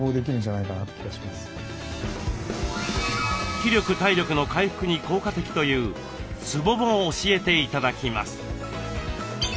気力体力の回復に効果的というツボも教えて頂きます。